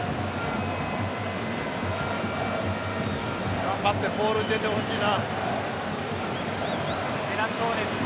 頑張ってボールに出てほしいな。